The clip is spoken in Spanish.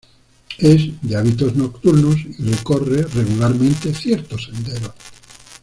Es de hábitos nocturnos y recorre regularmente ciertos senderos.